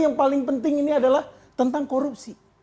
yang paling penting ini adalah tentang korupsi